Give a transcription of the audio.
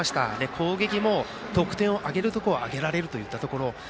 攻撃も得点を挙げるところは挙げられるといったところ。